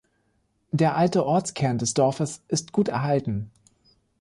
Der alte Ortskern des Dorfes ist gut erhalten.